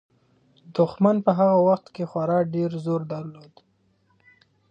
دښمن په هغه وخت کې خورا ډېر زور درلود.